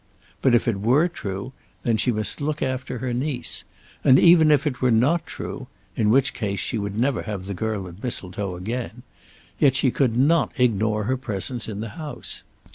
But if it were true, then she must look after her niece. And even if it were not true, in which case she would never have the girl at Mistletoe again, yet she could not ignore her presence in the house.